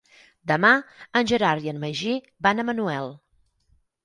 Demà en Gerard i en Magí van a Manuel.